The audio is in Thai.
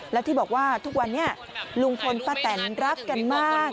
แล้วที่บอกว่าทุกวันนี้ลุงพลป้าแตนรักกันมาก